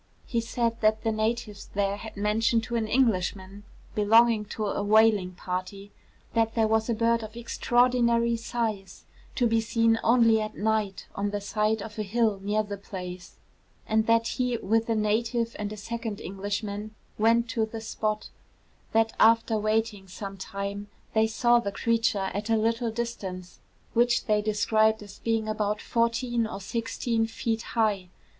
He said that the natives there had mentioned to an Englishman belonging to a whaling party, that there was a bird of extraordinary size to be seen only at night on the side of a hill near the place; and that he with a native and a second Englishman went to the spot; that after waiting some time they saw the creature at a little distance, which they describe as being about fourteen or sixteen feet high.